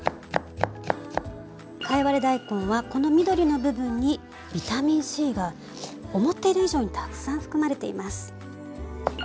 貝割れ大根はこの緑の部分にビタミンＣが思っている以上にたくさん含まれています。